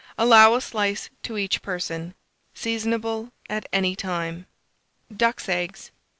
Allow a slice to each person. Seasonable at any time. DUCKS' EGGS.